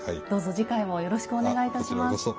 どうぞ次回もよろしくお願いいたします。